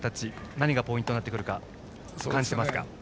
何がポイントになってくると感じていますか。